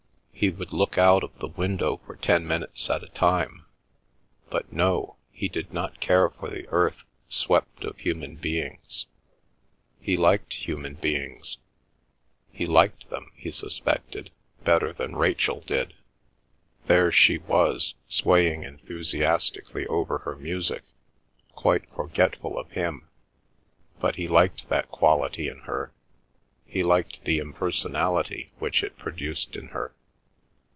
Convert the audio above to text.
He would look out of the window for ten minutes at a time; but no, he did not care for the earth swept of human beings. He liked human beings—he liked them, he suspected, better than Rachel did. There she was, swaying enthusiastically over her music, quite forgetful of him,—but he liked that quality in her. He liked the impersonality which it produced in her.